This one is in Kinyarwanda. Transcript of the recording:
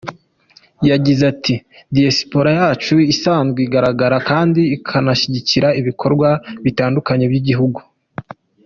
Yagize ati “Diaspora yacu isanzwe igaragara kandi ikanashyigikira ibikorwa bitandukanye by’igihugu.